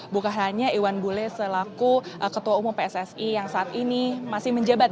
bukannya iwan bule selaku ketua umum pssi yang saat ini masih menjebat